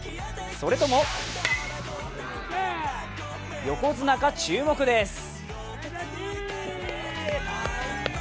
それとも、横綱か注目です。